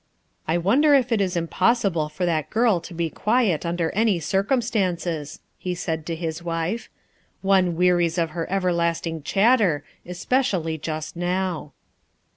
"I wonder if it is impossible for that girl to be quiet under any circumstances," he said to his wife. "One wearies of her everlasting chatter, especially just now."